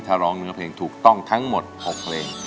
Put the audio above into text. ถ้าร้องเนื้อเพลงถูกต้องทั้งหมด๖เพลง